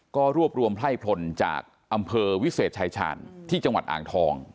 ก็รวบรวมไพร่พลจากอำเภอวิเศษชายชาญที่จังหวัดอ่างทอง